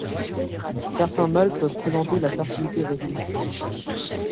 Certains mâles peuvent présenter la fertilité réduite.